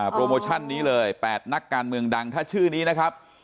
โปรโมชั่นนี้เลย๘นักการเมืองดังถ้าชื่อนี้นะครับ